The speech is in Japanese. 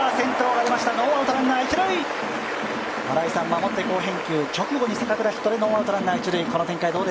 守って好返球、直後に坂倉ヒットでノーアウト、ランナー一塁。